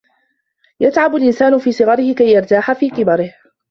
يَتْعَبُ الْإِنْسانُ فِي صِغَرِهِ كَيْ يَرْتَاحَ فِي كِبَرِهِ.